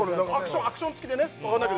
アクションつきでね